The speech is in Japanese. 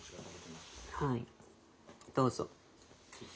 はいどうぞ。